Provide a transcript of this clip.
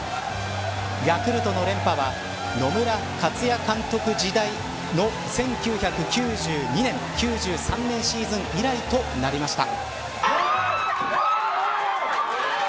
ヤクルトの連覇は野村克也監督時代の１９９２年、１９９３年シーズン以来となりました。